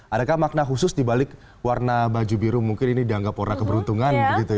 adakah makna khusus dibalik warna baju biru mungkin ini dianggap warna keberuntungan